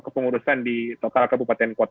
pengurusan di total kpu